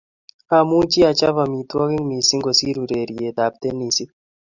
Amuchi achop amitwokik missing kosir urereitab tenesit